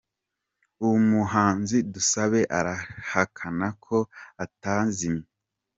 Umuhanzi Dusabe arahakana ko atazimye